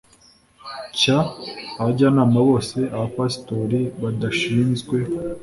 cy abajyanama bose abapasitori badashinzwe